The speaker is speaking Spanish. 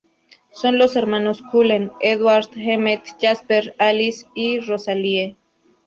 Son los hermanos Cullen; Edward, Emmett, Jasper, Alice y Rosalie.